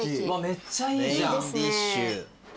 めっちゃいいじゃん。